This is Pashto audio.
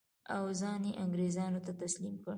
او ځان یې انګرېزانو ته تسلیم کړ.